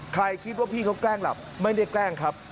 คิดว่าพี่เขาแกล้งหลับไม่ได้แกล้งครับ